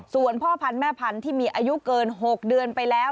ส่วนพ่อพันธุ์แม่พันธุ์ที่มีอายุเกิน๖เดือนไปแล้ว